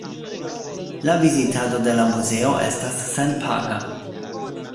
La vizitado de la muzeo estas senpaga.